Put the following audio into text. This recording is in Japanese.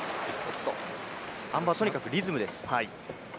あん馬はとにかくリズムです。